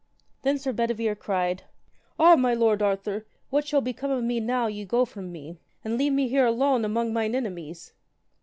Then Sir Bedivere cried, Ah, my lord Arthur, what shall become of me now ye go from me, and leave me here alone among mine enemies.